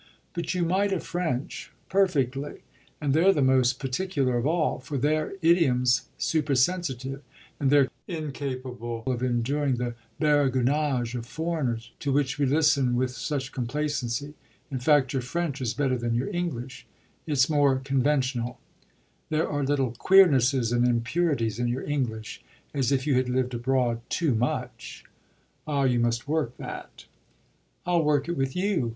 But you might a French, perfectly, and they're the most particular of all; for their idiom's supersensitive and they're incapable of enduring the baragouinage of foreigners, to which we listen with such complacency. In fact your French is better than your English it's more conventional; there are little queernesses and impurities in your English, as if you had lived abroad too much. Ah you must work that." "I'll work it with you.